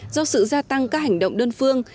do sự gia tăng các hành động đơn phương